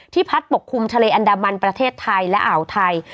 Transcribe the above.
พัดปกคลุมทะเลอันดามันประเทศไทยและอ่าวไทย